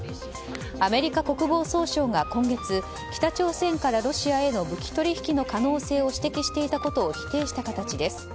アメリカ国防総省が今月北朝鮮からロシアへの武器取引の可能性を指摘していたことを否定した形です。